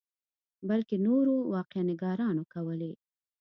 بلکې نورو واقعه نګارانو کولې.